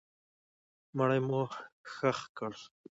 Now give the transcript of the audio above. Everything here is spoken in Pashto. مړی مو ښخ کړ.